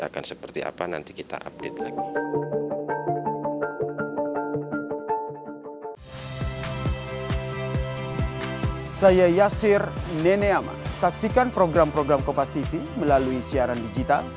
akan seperti apa nanti kita update lagi